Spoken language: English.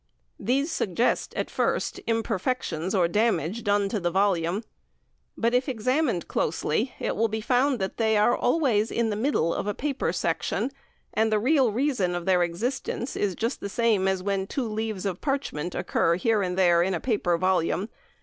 These suggest, at first, imperfections or damage done to the volume; but if examined closely it will be found that they are always in the middle of a paper section, and the real reason of their existence is just the same as when two leaves of parchment occur here and there in a paper volume, viz.